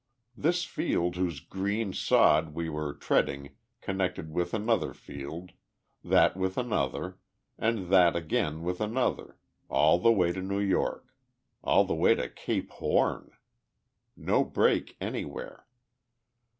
This field whose green sod we were treading connected with another field, that with another, and that again with another all the way to New York all the way to Cape Horn! No break anywhere.